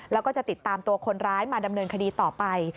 แล้วก็จะติดตามตัวคนร้ายมาดำเนินคดีต่อไป